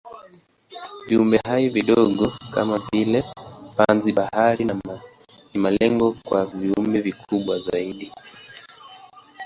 Viumbehai vidogo kama vile panzi-bahari ni malengo kwa viumbe vikubwa zaidi.